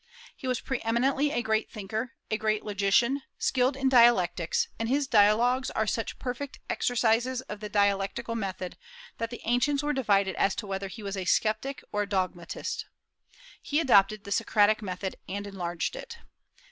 He was pre eminently a great thinker, a great logician, skilled in dialectics; and his "Dialogues" are such perfect exercises of dialectical method that the ancients were divided as to whether he was a sceptic or a dogmatist. He adopted the Socratic method and enlarged it.